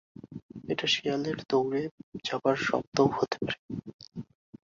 এটা শেয়ালের দৌড়ে যাবার শব্দও হতে পারে।